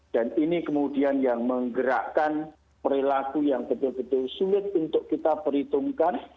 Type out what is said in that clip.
dan ini kemudian yang menggerakkan perilaku yang betul betul sulit untuk kita perhitungkan